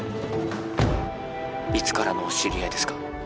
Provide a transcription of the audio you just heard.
いつからのお知り合いですか？